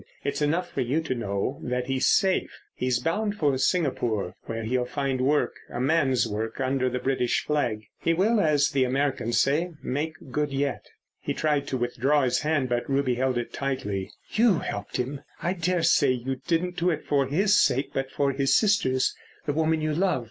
"It's enough for you to know that he's safe. He's bound for Singapore, where he'll find work—a man's work, under the British flag. He will, as the Americans say, make good yet." He tried to withdraw his hand, but Ruby held it tightly. "You helped him. I daresay you didn't do it for his sake but for his sister's, the woman you love.